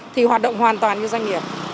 thì hoạt động hoàn toàn như doanh nghiệp